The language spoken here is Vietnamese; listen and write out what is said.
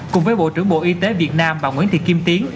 cùng với bộ trưởng bộ y tế việt nam bà nguyễn thị kim tiến